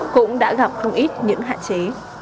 cũng đã gặp không ít những hạn chế